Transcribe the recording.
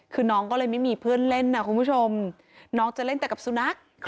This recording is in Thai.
คือน้องก็เลยไม่มีเพื่อนเล่นนะคุณผู้ชมน้องจะเล่นแต่กับสุนัข